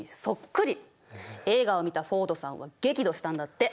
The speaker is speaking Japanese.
映画を見たフォードさんは激怒したんだって。